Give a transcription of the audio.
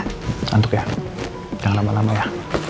hantuk ya jangan lama lama ya